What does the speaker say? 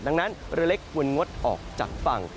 ดังนั้นเรือเล็กควรงดออกจากฝั่ง